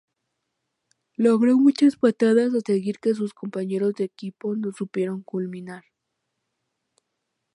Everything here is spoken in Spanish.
Logró muchas patadas a seguir que sus compañeros de equipo no supieron culminar.